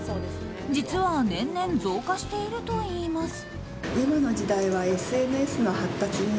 実は年々増加しているといいます。